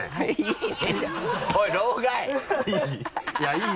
いい。